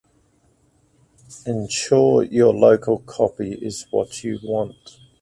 Ensure your local copy is what you want